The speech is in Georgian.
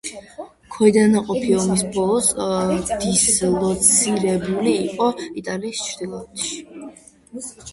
ქვედანაყოფი ომის ბოლოს დისლოცირებული იყო იტალიის ჩრდილოეთში.